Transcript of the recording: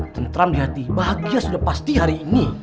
tentram di hati bahagia sudah pasti hari ini